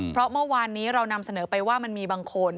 เพราะเมื่อวานนี้เรานำเสนอไปว่ามันมีบางคน